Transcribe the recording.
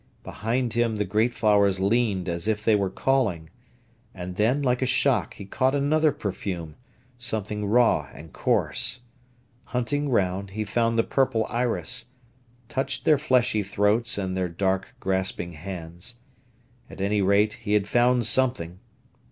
Behind him the great flowers leaned as if they were calling. And then, like a shock, he caught another perfume, something raw and coarse. Hunting round, he found the purple iris, touched their fleshy throats and their dark, grasping hands. At any rate, he had found something.